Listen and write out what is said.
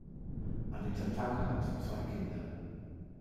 Anita Tack hat zwei Kinder.